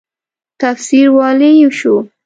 تفسیرولای شو.